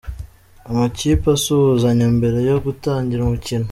Amakipe asuhuzanya mbere yo gutangira umukino.